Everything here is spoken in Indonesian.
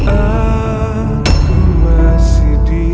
aku masih di dunia